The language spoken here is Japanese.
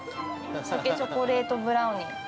酒チョコレートブラウニー。